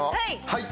はい！